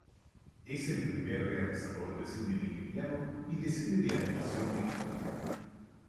Es el primer realizador de cine nigeriano y de cine de animación en África.